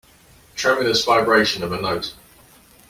Tremulous vibration of a note.